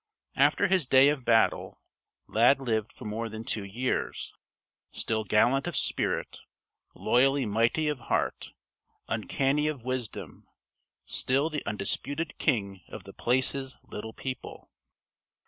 After his "Day of Battle," Lad lived for more than two years still gallant of spirit, loyally mighty of heart, uncanny of wisdom still the undisputed king of The Place's "Little People."